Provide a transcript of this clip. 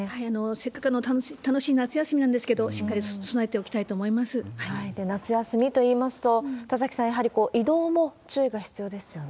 せっかく楽しい夏休みなんですけれども、しっかり備えておき夏休みといいますと、田崎さん、やはり移動も注意が必要ですよね。